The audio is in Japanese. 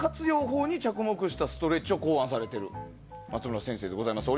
法に着目したストレッチを考案されている松村先生です。